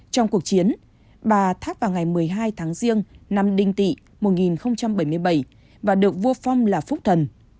trong cuộc chiến bà tháp vào ngày một mươi hai tháng riêng năm đinh tị một nghìn bảy mươi bảy và được vua phong là phúc thần